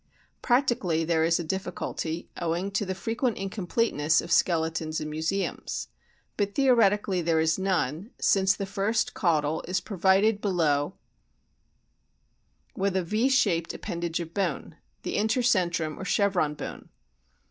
Practically there is a difficulty, owing to the frequent incompleteness of skeletons in museums. But theoretically there is none, since the first caudal is provided below with a V shaped ap pendage of bone, the intercentrum or chevron bone.